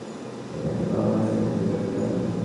Tomato বা mushroom দিতে পারতে না?